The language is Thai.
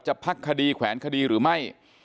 พักคดีแขวนคดีหรือไม่